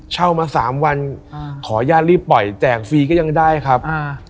เช่ามา๓วันขออนุญาตรีบปล่อยแจกฟรีก็ยังได้ครับ